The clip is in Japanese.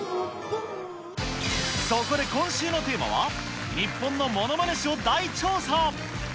そこで今週のテーマは、日本のものまね史を大調査。